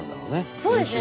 そうですよ。